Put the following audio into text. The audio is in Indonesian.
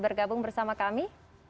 bergabung bersama kami